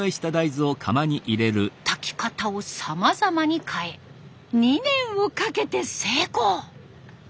炊き方をさまざまに変え２年をかけて成功。